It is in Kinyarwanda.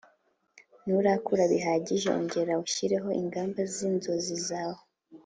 nturakura bihagije ongera ushyireho ingamba z ‘inzozi zawe